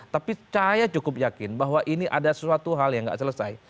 tapi saya cukup yakin bahwa ini ada sesuatu hal yang nggak selesai